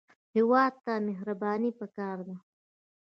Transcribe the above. هېواد ته مهرباني پکار ده